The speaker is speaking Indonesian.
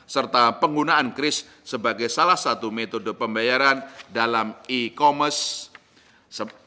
serta penggunaan kris sebagai salah satu metode pembayaran dalam e commerce